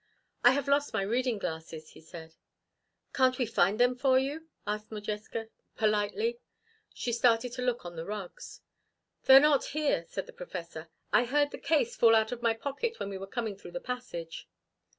"I have lost my reading glasses," he said. "Can't we find them for you?" asked Modjeska politely. She started to look on the rugs. "They are not here," said the Professor. "I heard the ease fall out of my pocket when we were coming through the passage."